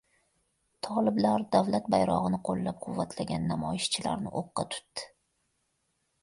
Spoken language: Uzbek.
Toliblar davlat bayrog‘ini qo‘llab-quvvatlagan namoyishchilarni o‘qqa tutdi